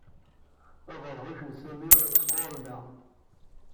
Abeṛhuc n Sami yeṭṭes ɣur-neɣ.